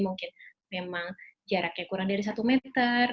mungkin memang jaraknya kurang dari satu meter